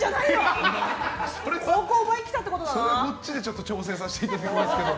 それはぶっちゃけ調整させていただきますけど。